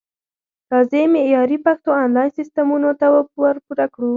راځئ معیاري پښتو انلاین سیستمونو ته ورپوره کړو